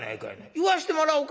言わしてもらおか。